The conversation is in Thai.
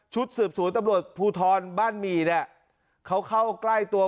สืบสวนตำรวจภูทรบ้านหมี่เนี่ยเขาเข้าใกล้ตัว